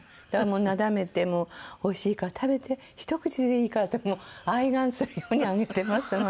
だからもうなだめて「おいしいから食べてひと口でいいから」ってもう哀願するようにあげてます